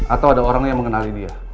atau ada orang yang mengenali dia